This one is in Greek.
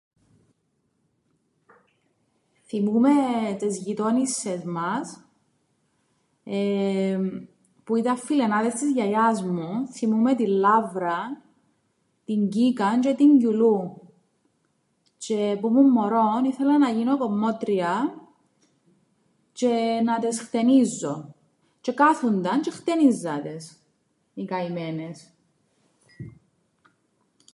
Θθυμούμαι τες γειτόνισσες μας, εεεμ, που ήταν φιλενάδες της γιαγιάς μου, θθυμούμαι την Λαύραν, την Κίκαν τζ̆αι την Κιουλούν, τζ̆αι που 'μουν μωρόν ήθελα να γίνω κομμώτρια τζ̆αι να τες χτενίζω, τζ̆αι εκάθουνταν τζ̆αι εχτένιζα τες, οι καημένες.